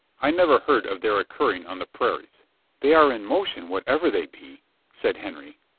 I never heard of their occurring on the prairies." "They are in motion, whatever they be," said Henry.